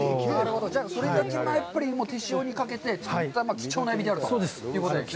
じゃあ、それぐらい手塩にかけて育てた作った貴重なエビであるということですね。